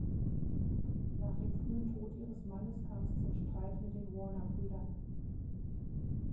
Nach dem frühen Tod ihres Mannes kam es zum Streit mit den Warner-Brüdern.